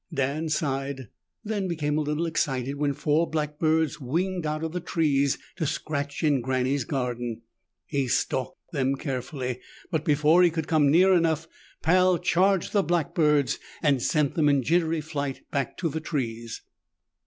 Dan sighed, then became a little excited when four blackbirds winged out of the trees to scratch in Granny's garden. He stalked them carefully. But before he could come near enough, Pal charged the blackbirds and sent them in jittery flight back to the trees.